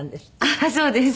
あっそうです。